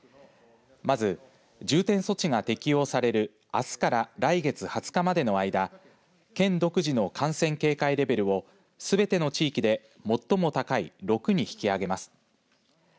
まず、重点措置が適用されるあすから来月２０日までの間県独自の感染警戒レベルをすべての地域で最も高い６に引き上げます。